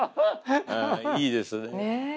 いいですね。